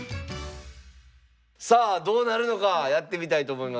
さあどうなるのかやってみたいと思います。